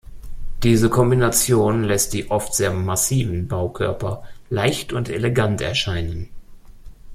Diese Kombination lässt die oft sehr massiven Baukörper leicht und elegant erscheinen.